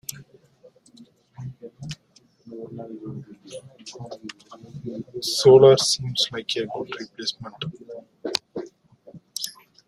Solar seems like a good replacement.